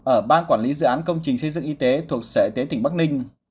ở ban quản lý dự án công trình xây dựng y tế thuộc sở y tế tỉnh bắc ninh